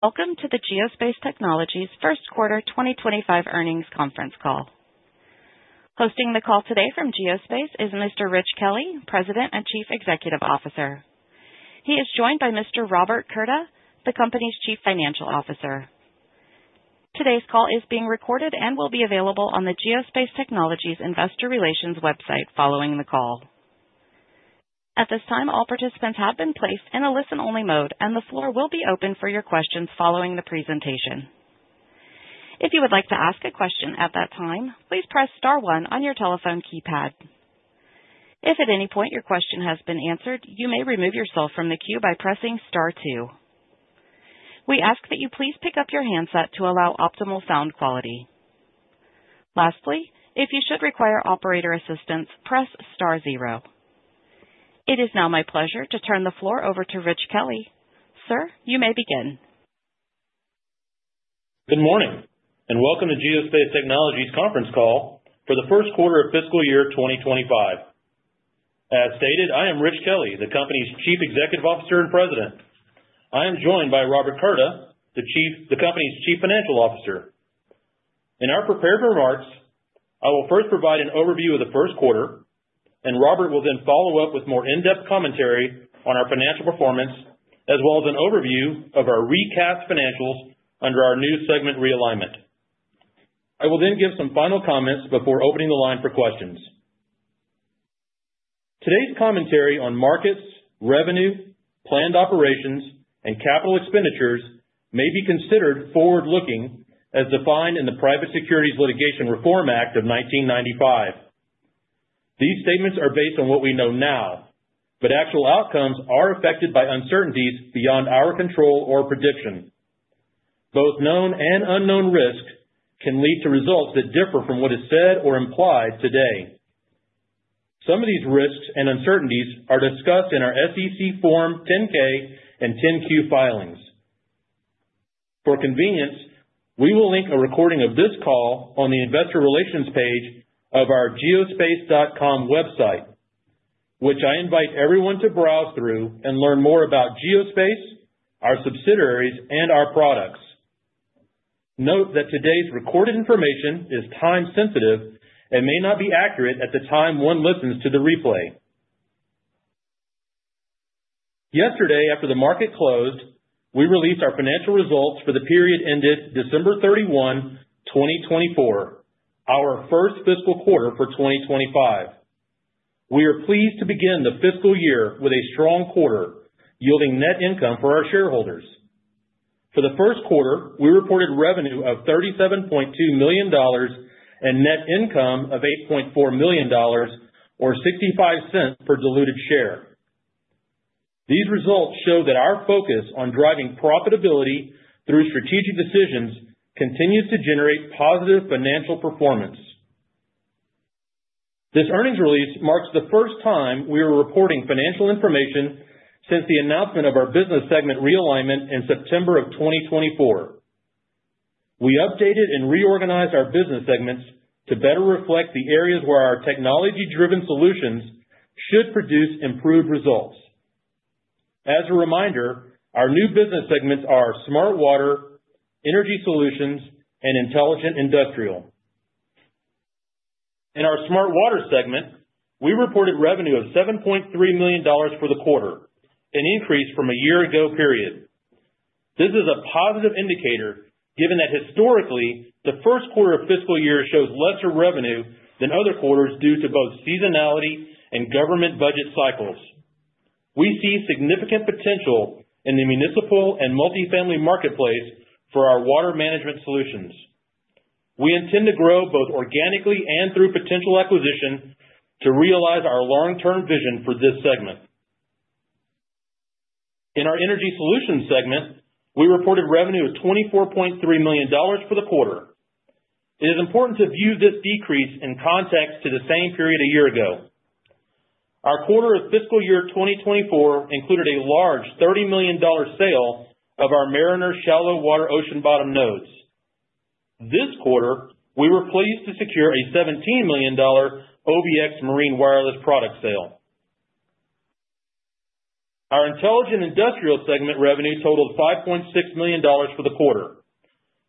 Welcome to the Geospace Technologies First Quarter 2025 Earnings Conference Call. Hosting the call today from Geospace is Mr. Rich Kelley, President and Chief Executive Officer. He is joined by Mr. Robert Curda, the company's Chief Financial Officer. Today's call is being recorded and will be available on the Geospace Technologies Investor Relations website following the call. At this time, all participants have been placed in a listen-only mode, and the floor will be open for your questions following the presentation. If you would like to ask a question at that time, please press star one on your telephone keypad. If at any point your question has been answered, you may remove yourself from the queue by pressing star two. We ask that you please pick up your handset to allow optimal sound quality. Lastly, if you should require operator assistance, press star zero. It is now my pleasure to turn the floor over to Rich Kelley. Sir, you may begin. Good morning and welcome to Geospace Technologies Conference Call for the First Quarter of Fiscal Year 2025. As stated, I am Rich Kelley, the company's Chief Executive Officer and President. I am joined by Robert Curda, the company's Chief Financial Officer. In our prepared remarks, I will first provide an overview of the first quarter, and Robert will then follow up with more in-depth commentary on our financial performance, as well as an overview of our recast financials under our new segment realignment. I will then give some final comments before opening the line for questions. Today's commentary on markets, revenue, planned operations, and capital expenditures may be considered forward-looking, as defined in the Private Securities Litigation Reform Act of 1995. These statements are based on what we know now, but actual outcomes are affected by uncertainties beyond our control or prediction. Both known and unknown risks can lead to results that differ from what is said or implied today. Some of these risks and uncertainties are discussed in our SEC Form 10-K and 10-Q filings. For convenience, we will link a recording of this call on the investor relations page of our geospace.com website, which I invite everyone to browse through and learn more about Geospace, our subsidiaries, and our products. Note that today's recorded information is time-sensitive and may not be accurate at the time one listens to the replay. Yesterday, after the market closed, we released our financial results for the period ended December 31, 2024, our first fiscal quarter for 2025. We are pleased to begin the fiscal year with a strong quarter, yielding net income for our shareholders. For the first quarter, we reported revenue of $37.2 million and net income of $8.4 million, or $0.65 per diluted share. These results show that our focus on driving profitability through strategic decisions continues to generate positive financial performance. This earnings release marks the first time we are reporting financial information since the announcement of our business segment realignment in September of 2024. We updated and reorganized our business segments to better reflect the areas where our technology-driven solutions should produce improved results. As a reminder, our new business segments are Smart Water, Energy Solutions, and Intelligent Industrial. In our Smart Water segment, we reported revenue of $7.3 million for the quarter, an increase from a year-ago period. This is a positive indicator, given that historically, the first quarter of fiscal year shows lesser revenue than other quarters due to both seasonality and government budget cycles. We see significant potential in the municipal and multifamily marketplace for our water management solutions. We intend to grow both organically and through potential acquisition to realize our long-term vision for this segment. In our Energy Solutions segment, we reported revenue of $24.3 million for the quarter. It is important to view this decrease in context to the same period a year ago. Our quarter of fiscal year 2024 included a large $30 million sale of our Mariner Shallow Water Ocean Bottom nodes. This quarter, we were pleased to secure a $17 million OBX Marine Wireless product sale. Our Intelligent Industrial segment revenue totaled $5.6 million for the quarter.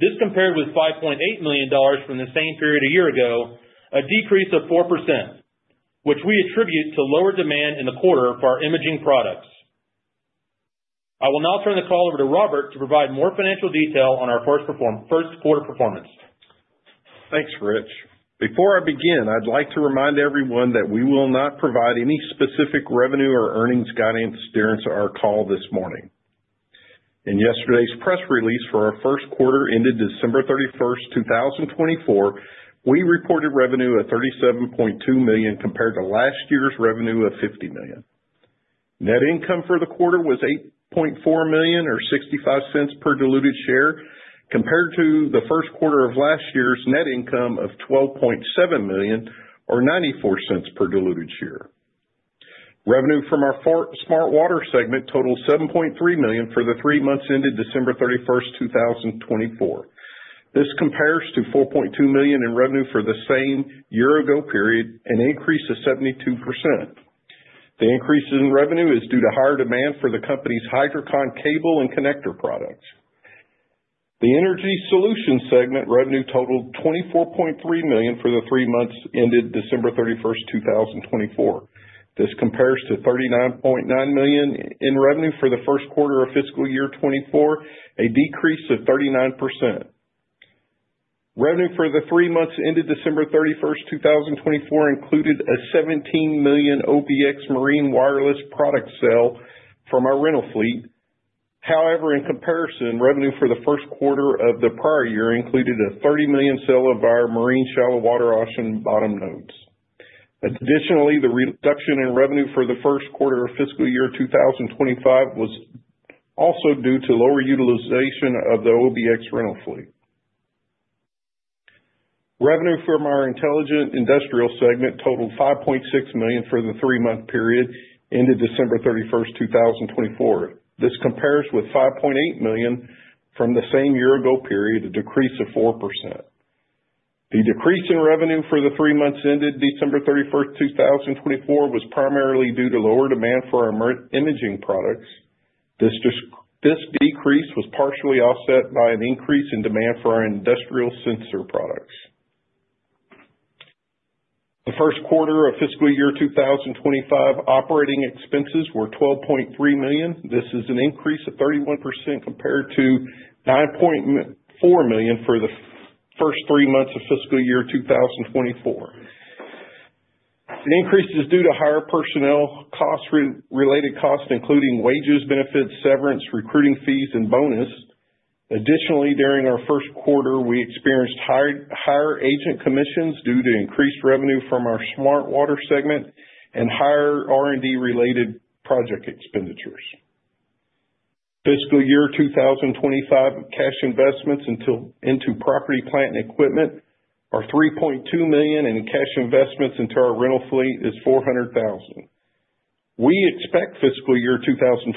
This compared with $5.8 million from the same period a year ago, a decrease of 4%, which we attribute to lower demand in the quarter for our imaging products. I will now turn the call over to Robert to provide more financial detail on our first quarter performance. Thanks, Rich. Before I begin, I'd like to remind everyone that we will not provide any specific revenue or earnings guidance during our call this morning. In yesterday's press release for our first quarter ended December 31st, 2024, we reported revenue of $37.2 million compared to last year's revenue of $50 million. Net income for the quarter was $8.4 million, or $0.65 per diluted share, compared to the first quarter of last year's net income of $12.7 million, or $0.94 per diluted share. Revenue from our Smart Water segment totaled $7.3 million for the three months ended December 31st, 2024. This compares to $4.2 million in revenue for the same year-ago period, an increase of 72%. The increase in revenue is due to higher demand for the company's Hydrocon cable and connector products. The Energy Solution segment revenue totaled $24.3 million for the three months ended December 31st, 2024. This compares to $39.9 million in revenue for the first quarter of fiscal year 2024, a decrease of 39%. Revenue for the three months ended December 31st, 2024, included a $17 million OBX Marine Wireless product sale from our rental fleet. However, in comparison, revenue for the first quarter of the prior year included a $30 million sale of our Mariner Shallow Water Ocean Bottom nodes. Additionally, the reduction in revenue for the first quarter of fiscal year 2025 was also due to lower utilization of the OBX rental fleet. Revenue from our Intelligent Industrial segment totaled $5.6 million for the three-month period ended December 31st, 2024. This compares with $5.8 million from the same year-ago period, a decrease of 4%. The decrease in revenue for the three months ended December 31st, 2024, was primarily due to lower demand for our imaging products. This decrease was partially offset by an increase in demand for our industrial sensor products. The first quarter of fiscal year 2025 operating expenses were $12.3 million. This is an increase of 31% compared to $9.4 million for the first three months of fiscal year 2024. The increase is due to higher personnel costs, related costs, including wages, benefits, severance, recruiting fees, and bonus. Additionally, during our first quarter, we experienced higher agent commissions due to increased revenue from our Smart Water segment and higher R&D-related project expenditures. Fiscal year 2025 cash investments into property, plant, and equipment are $3.2 million, and cash investments into our rental fleet is $400,000. We expect fiscal year 2025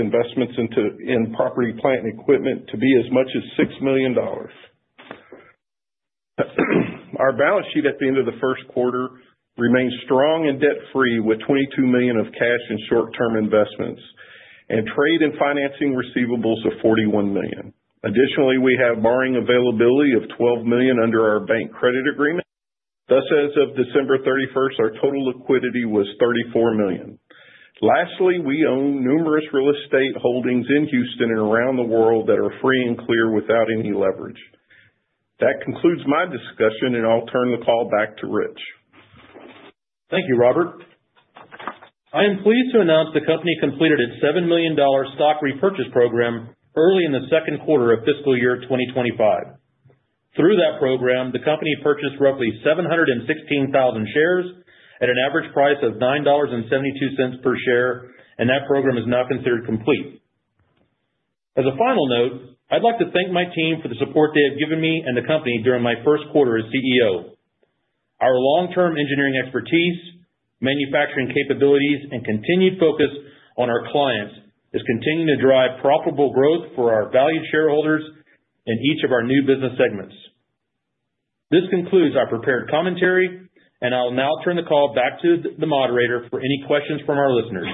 investments in property, plant, and equipment to be as much as $6 million. Our balance sheet at the end of the first quarter remains strong and debt-free, with $22 million of cash and short-term investments and trade and financing receivables of $41 million. Additionally, we have borrowing availability of $12 million under our bank credit agreement. Thus, as of December 31st, our total liquidity was $34 million. Lastly, we own numerous real estate holdings in Houston and around the world that are free and clear without any leverage. That concludes my discussion, and I'll turn the call back to Rich. Thank you, Robert. I am pleased to announce the company completed its $7 million stock repurchase program early in the second quarter of fiscal year 2025. Through that program, the company purchased roughly 716,000 shares at an average price of $9.72 per share, and that program is now considered complete. As a final note, I'd like to thank my team for the support they have given me and the company during my first quarter as CEO. Our long-term engineering expertise, manufacturing capabilities, and continued focus on our clients is continuing to drive profitable growth for our valued shareholders in each of our new business segments. This concludes our prepared commentary, and I'll now turn the call back to the moderator for any questions from our listeners.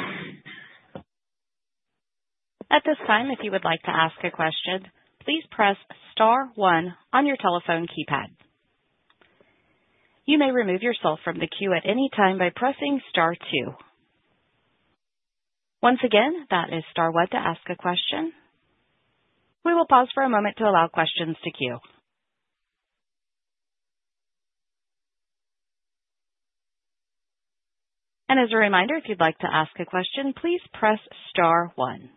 At this time, if you would like to ask a question, please press star one on your telephone keypad. You may remove yourself from the queue at any time by pressing star two. Once again, that is star one to ask a question. We will pause for a moment to allow questions to queue. As a reminder, if you'd like to ask a question, please press star one.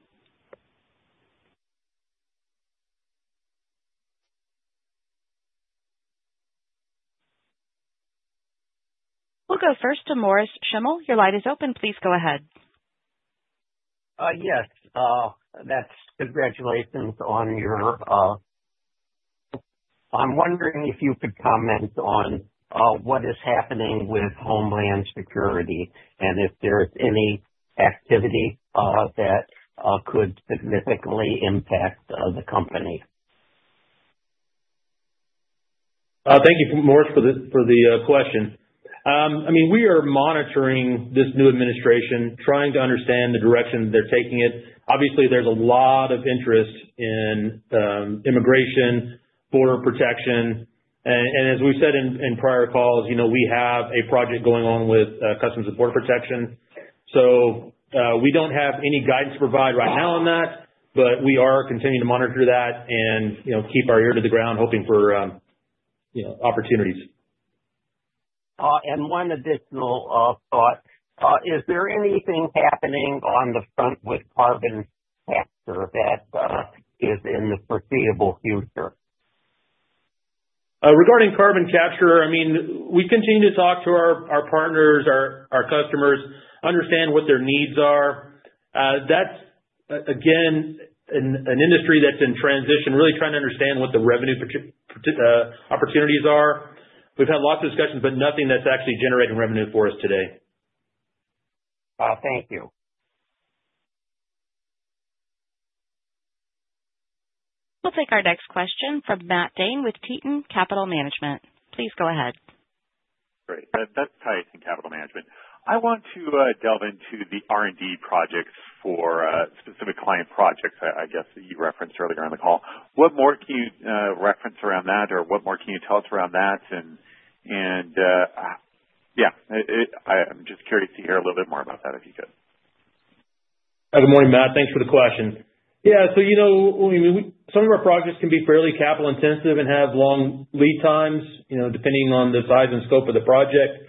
We will go first to Morris Schimmel. Your line is open. Please go ahead. Yes. Congratulations on your—I'm wondering if you could comment on what is happening with Homeland Security and if there's any activity that could significantly impact the company? Thank you, Morris, for the question. I mean, we are monitoring this new administration, trying to understand the direction they're taking it. Obviously, there's a lot of interest in immigration, border protection. As we've said in prior calls, we have a project going on with Customs and Border Protection. We don't have any guidance to provide right now on that, but we are continuing to monitor that and keep our ear to the ground, hoping for opportunities. One additional thought: is there anything happening on the front with carbon capture that is in the foreseeable future? Regarding carbon capture, I mean, we continue to talk to our partners, our customers, understand what their needs are. That's, again, an industry that's in transition, really trying to understand what the revenue opportunities are. We've had lots of discussions, but nothing that's actually generating revenue for us today. Thank you. We'll take our next question from Matt Dhane with Tieton Capital Management. Please go ahead. Great. That's Tieton Capital Management. I want to delve into the R&D projects for specific client projects, I guess, that you referenced earlier on the call. What more can you reference around that, or what more can you tell us around that? Yeah, I'm just curious to hear a little bit more about that, if you could. Good morning, Matt. Thanks for the question. Yeah. Some of our projects can be fairly capital-intensive and have long lead times, depending on the size and scope of the project,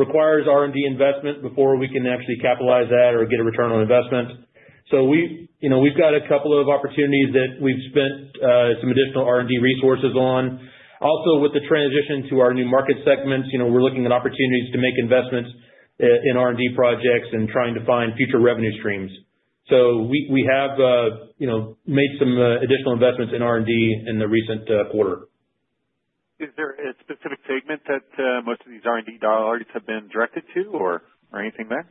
require R&D investment before we can actually capitalize that or get a return on investment. We have got a couple of opportunities that we have spent some additional R&D resources on. Also, with the transition to our new market segments, we are looking at opportunities to make investments in R&D projects and trying to find future revenue streams. We have made some additional investments in R&D in the recent quarter. Is there a specific segment that most of these R&D dollars have been directed to, or anything there?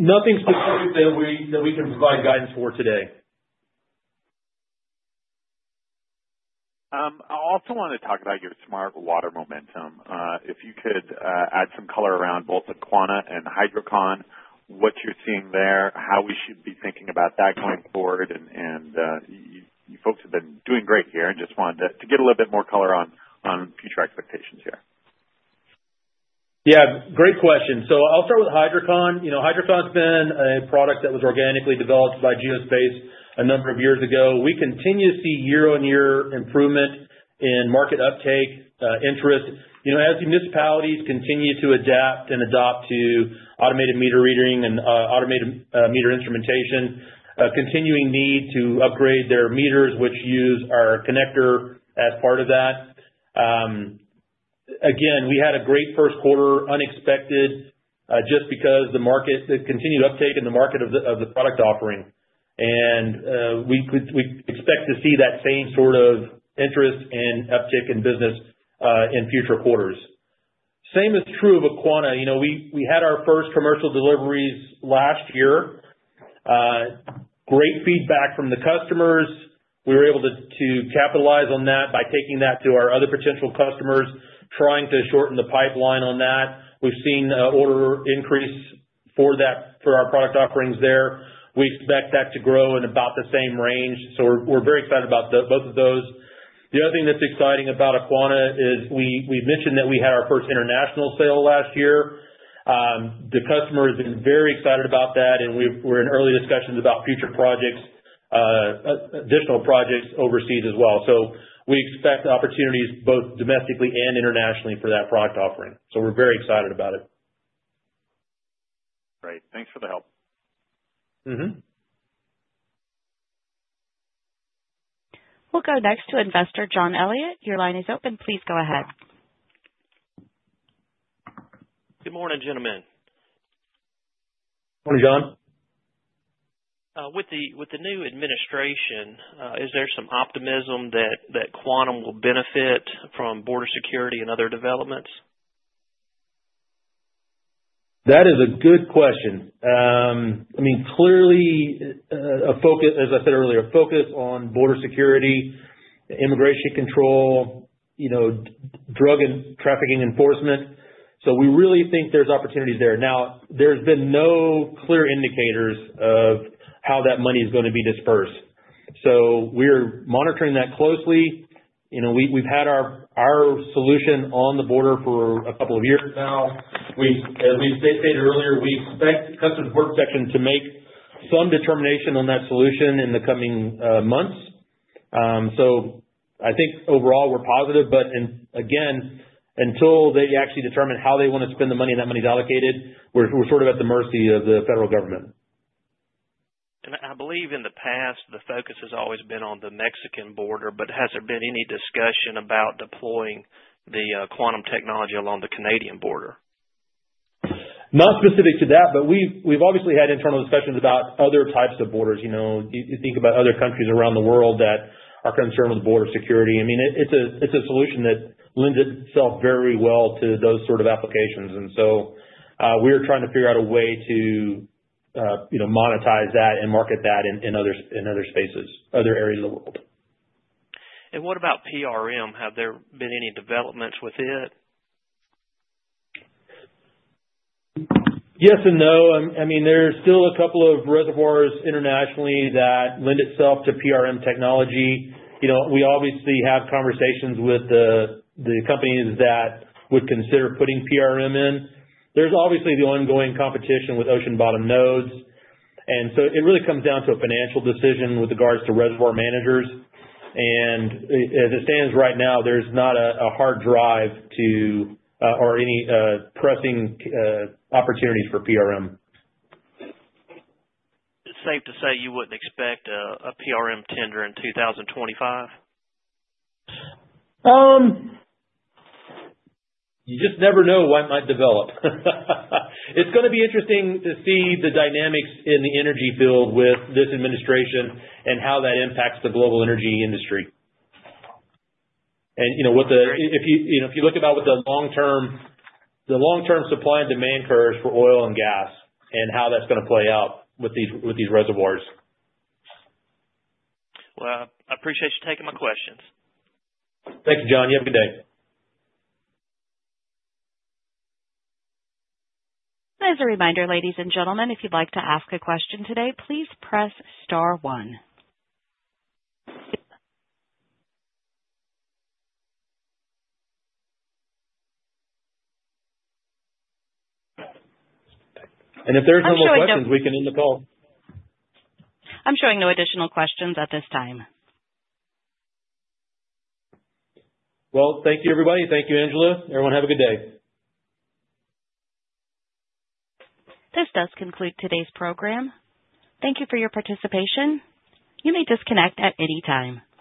Nothing specific that we can provide guidance for today. I also want to talk about your Smart Water momentum. If you could add some color around both Aquana and Hydrocon, what you're seeing there, how we should be thinking about that going forward. You folks have been doing great here and just wanted to get a little bit more color on future expectations here? Great question. I'll start with Hydrocon. Hydrocon's been a product that was organically developed by Geospace a number of years ago. We continue to see year-on-year improvement in market uptake, interest. As municipalities continue to adapt and adopt to automated meter reading and automated meter instrumentation, a continuing need to upgrade their meters, which use our connector as part of that. Again, we had a great first quarter, unexpected, just because the market, the continued uptake in the market of the product offering. We expect to see that same sort of interest and uptake in business in future quarters. Same is true of Aquana. We had our first commercial deliveries last year. Great feedback from the customers. We were able to capitalize on that by taking that to our other potential customers, trying to shorten the pipeline on that. We've seen an order increase for our product offerings there. We expect that to grow in about the same range. We're very excited about both of those. The other thing that's exciting about Aquana is we mentioned that we had our first international sale last year. The customer has been very excited about that, and we're in early discussions about future projects, additional projects overseas as well. We expect opportunities both domestically and internationally for that product offering. We're very excited about it. Great. Thanks for the help. We'll go next to investor John Elliott. Your line is open. Please go ahead. Good morning, gentlemen. Morning, John. With the new administration, is there some optimism that Quantum will benefit from border security and other developments? That is a good question. I mean, clearly, as I said earlier, focus on border security, immigration control, drug and trafficking enforcement. We really think there's opportunities there. Now, there's been no clear indicators of how that money is going to be dispersed. We are monitoring that closely. We've had our solution on the border for a couple of years now. As we stated earlier, we expect Customs and Border Protection to make some determination on that solution in the coming months. I think overall, we're positive. Again, until they actually determine how they want to spend the money and that money's allocated, we're sort of at the mercy of the federal government. I believe in the past, the focus has always been on the Mexican border, but has there been any discussion about deploying the Quantum technology along the Canadian border? Not specific to that, but we've obviously had internal discussions about other types of borders. You think about other countries around the world that are concerned with border security. I mean, it's a solution that lends itself very well to those sort of applications. We are trying to figure out a way to monetize that and market that in other spaces, other areas of the world. What about PRM? Have there been any developments with it? Yes and no. I mean, there's still a couple of reservoirs internationally that lend itself to PRM technology. We obviously have conversations with the companies that would consider putting PRM in. There's obviously the ongoing competition with ocean bottom nodes. It really comes down to a financial decision with regards to reservoir managers. As it stands right now, there's not a hard drive or any pressing opportunities for PRM. It's safe to say you wouldn't expect a PRM tender in 2025? You just never know what might develop. It's going to be interesting to see the dynamics in the energy field with this administration and how that impacts the global energy industry. If you look at that with the long-term supply and demand curves for oil and gas and how that's going to play out with these reservoirs. I appreciate you taking my questions. Thank you, John. You have a good day. As a reminder, ladies and gentlemen, if you'd like to ask a question today, please press star one. If there's no more questions, we can end the call. I'm showing no additional questions at this time. Thank you, everybody. Thank you, Angela. Everyone, have a good day. This does conclude today's program. Thank you for your participation. You may disconnect at any time.